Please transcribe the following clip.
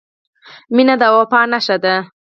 • مینه د وفا نښه ده.